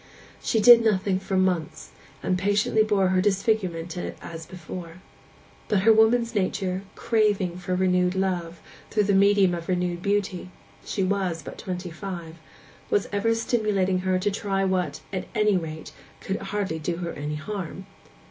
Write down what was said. She did nothing for months, and patiently bore her disfigurement as before. But her woman's nature, craving for renewed love, through the medium of renewed beauty (she was but twenty five), was ever stimulating her to try what, at any rate, could hardly do her any harm.